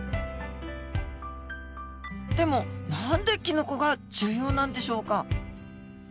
でも何でキノコが重要なんでしょうか？